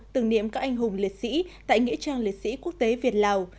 tưởng niệm các anh hùng liệt sĩ tại nghĩa trang liệt sĩ quốc tế việt lào